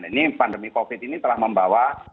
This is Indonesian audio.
ini pandemi covid ini telah membawa